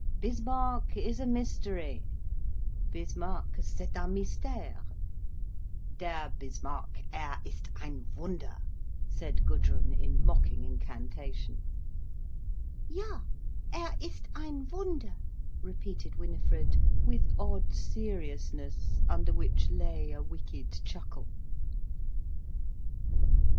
"Bismarck, is a mystery, Bismarck, c'est un mystère, der Bismarck, er ist ein Wunder," said Gudrun, in mocking incantation. "Ja, er ist ein Wunder," repeated Winifred, with odd seriousness, under which lay a wicked chuckle.